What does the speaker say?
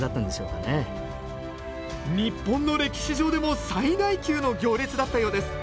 日本の歴史上でも最大級の行列だったようです。